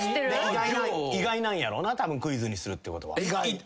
意外なんやろうなたぶんクイズにするってことは。